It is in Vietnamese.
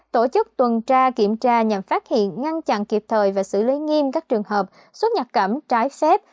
tổ chức tuần tra kiểm tra nhằm phát hiện ngăn chặn kịp thời và xử lý nghiêm các trường hợp xuất nhập cảnh trái phép